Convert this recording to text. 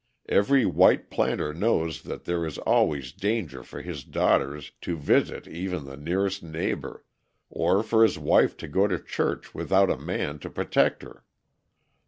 Every white planter knows that there is always danger for his daughters to visit even the nearest neighbour, or for his wife to go to church without a man to protect her."